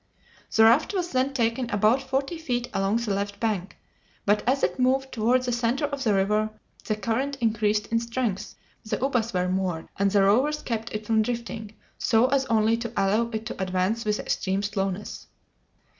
The raft was then taken about forty feet along the left bank, but as it moved toward the center of the river the current increased in strength, the ubas were moored, and the rowers kept it from drifting, so as only to allow it to advance with extreme slowness.